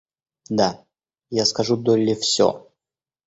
Да, я скажу Долли всё.